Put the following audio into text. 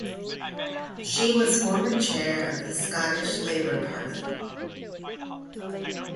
She was former Chair of the Scottish Labour Party.